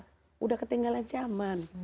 sudah ketinggalan zaman